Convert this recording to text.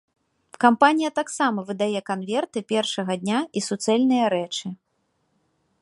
Кампанія таксама выдае канверты першага дня і суцэльныя рэчы.